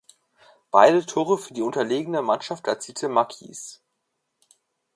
Beide Tore für die unterlegene Mannschaft erzielte Marques.